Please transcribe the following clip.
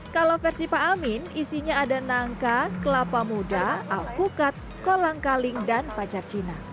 kalau versi pak amin isinya ada nangka kelapa muda alpukat kolang kaling dan pacar cina